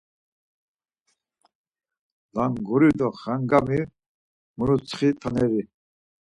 Languri do xangami, murutsxi taneri,